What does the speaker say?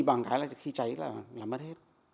không có gì bằng cái là khi cháy là mất hết